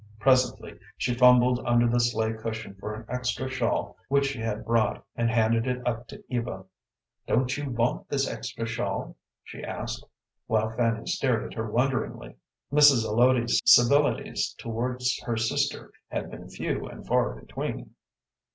Presently she fumbled under the sleigh cushion for an extra shawl which she had brought, and handed it up to Eva. "Don't you want this extra shawl?" she asked, while Fanny stared at her wonderingly. Mrs. Zelotes's civilities towards her sister had been few and far between.